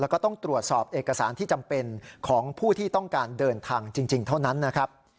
แล้วก็ต้องตรวจสอบเอกสารที่จำเป็นของผู้ที่ต้องการเดินทางจริงเท่านั้นนะครับ